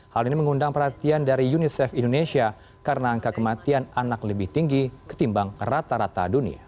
hal ini mengundang perhatian dari unicef indonesia karena angka kematian anak lebih tinggi ketimbang rata rata dunia